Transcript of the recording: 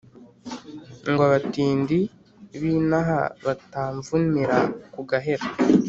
Ngo abatindi b'inaha batamvumira ku gahera